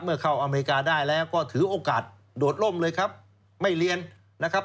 เข้าอเมริกาได้แล้วก็ถือโอกาสโดดล่มเลยครับไม่เรียนนะครับ